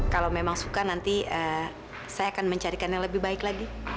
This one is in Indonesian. kalau memang suka nanti saya akan mencarikan yang lebih baik lagi